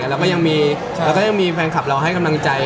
เราก็ยังมีแฟนคลับเราให้กำลังใจ